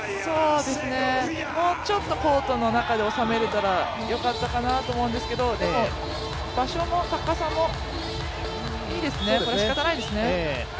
もうちょっとコートの中で収められたらよかったなと思うんですけどでも場所も高さもいいですね、これはしかたないですね。